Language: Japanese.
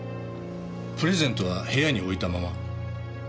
プレゼントは部屋に置いたまま？